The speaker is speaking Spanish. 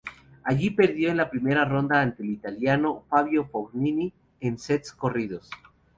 Allí, perdió en la primera ronda ante el italiano Fabio Fognini en sets corridos.